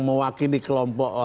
mewakili kelompok satu